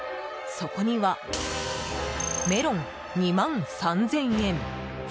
そこには、メロン２万３０００円。